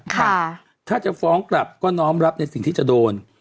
ถ้าจะฟ้องกลับก็น้อมรับในสิ่งที่จะโดน